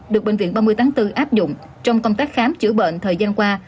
được bệnh viện ba mươi tháng bốn áp dụng trong công tác khám chữa bệnh thời gian qua